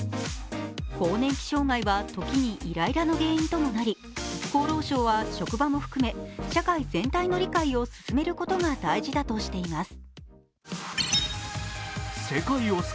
更年期障害は時にイライラの原因ともなり、厚労省は職場も含め社会全体の理解を進めることが大事だとしています。